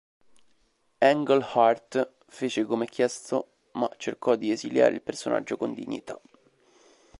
Englehart fece come chiesto ma cercò di esiliare il personaggio con dignità.